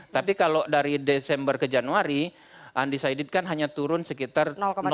tapi kalau dari desember ke januari undecided kan hanya turun sekitar